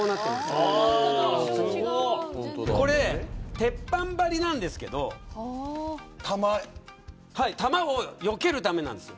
これ、鉄板張りなんですけど弾をよけるためなんです。